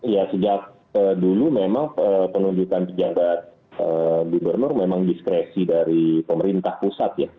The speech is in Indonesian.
ya sejak dulu memang penunjukan pejabat gubernur memang diskresi dari pemerintah pusat ya